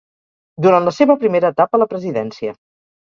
Durant la seva primera etapa a la presidència.